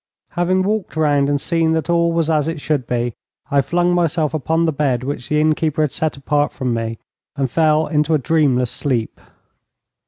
Having walked round and seen that all was as it should be, I flung myself upon the bed which the innkeeper had set apart for me, and fell into a dreamless sleep.